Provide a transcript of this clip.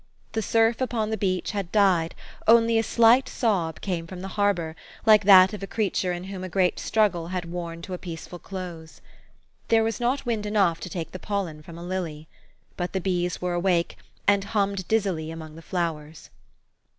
The surf upon the beach had died ; only a slight sob came from the Harbor, like that of a creature in whom a great struggle had worn to a peaceful close. There was not wind enough to take the pollen from a lily. But the bees were awake, and hummed dizzily among the flowers.